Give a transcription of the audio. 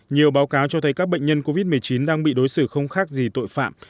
nhiều báo cáo cho thấy các bệnh nhân covid một mươi chín đang bị đối xử không khác gì tội phạm